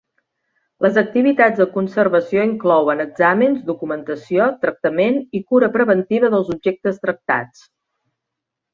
Les activitats de conservació inclouen exàmens, documentació, tractament i cura preventiva dels objectes tractats.